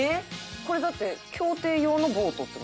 これだって競艇用のボートって事？